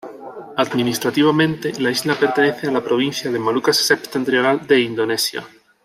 Administrativamente, la isla pertenece a la provincia de Molucas Septentrional de Indonesia.